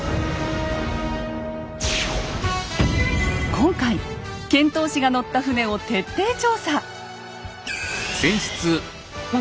今回遣唐使が乗った船を徹底調査。